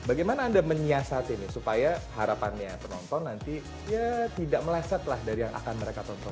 bagaimana anda menyiasati ini supaya harapannya penonton nanti ya tidak meleset lah dari yang akan mereka tonton